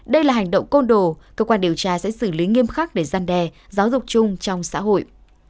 đây là hành động côn đồ cơ quan điều tra sẽ xử lý nghiêm khắc để gian đe giáo dục chung trong xã hội